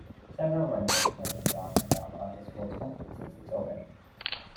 Several renovations have been done on the Amoranto Sports Complex since its opening.